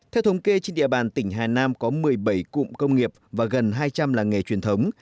theo thống kê trên địa bàn tỉnh hà nam có một mươi bảy cụm công nghiệp và gần hai trăm linh làng nghề truyền thống